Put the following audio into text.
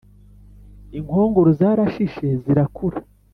inkongoro zarashishe zirakura